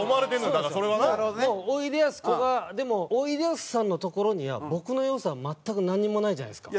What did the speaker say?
だからもうおいでやすこがでも「おいでやすさん」のところには僕の要素は全くなんにもないじゃないですか。